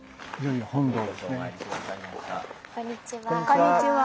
こんにちは。